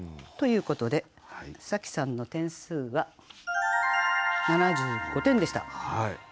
ということで紗季さんの点数は７５点でした。